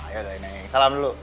yaudah ini salam dulu